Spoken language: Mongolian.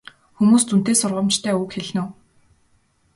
Хүмүүст үнэтэй сургамжтай үг хэлнэ үү?